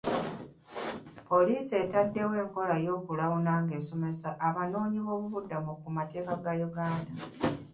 Poliisi ettaddewo enkola y'okulawuna nga esomesa abanoonyiboobubudamu ku mateeka ga Uganda.